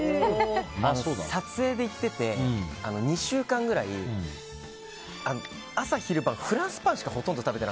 撮影で行ってて２週間くらい朝昼晩、フランスパンしか何で？